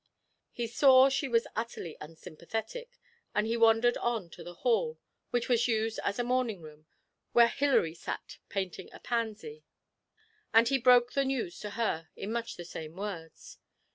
He saw she was utterly unsympathetic, and he wandered on to the hall, which was used as a morning room, where Hilary sat painting a pansy, and he broke the news to her in much the same words.